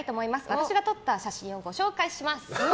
私が撮った写真をご紹介します！